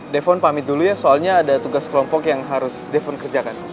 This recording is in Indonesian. defen pamit dulu ya soalnya ada tugas kelompok yang harus defen kerjakan